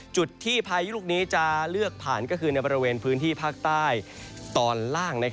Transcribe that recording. จุดที่พายุลูกนี้จะเลือกผ่านก็คือในบริเวณพื้นที่ภาคใต้ตอนล่าง